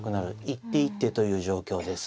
一手一手という状況です。